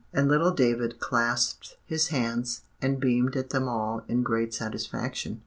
And little David clasped his hands, and beamed at them all in great satisfaction.